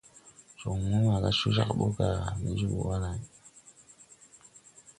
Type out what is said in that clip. Jon mo maga co jāg bɔ ga ne jòbō wa lay.